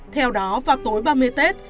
theo đó vào tối ba mươi tết